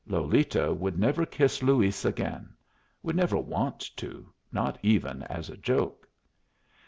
Lolita would never kiss Luis again; would never want to not even as a joke.